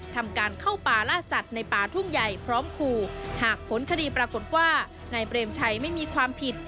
ทำการเข้าป่าล่าสัตว์ในป่าทุ่งใหญ่พร้อมคู่หากผลคดีปรากฏว่านายเปรมชัยไม่มีความผิด